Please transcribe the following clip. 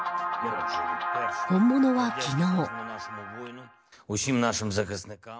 本物は、昨日。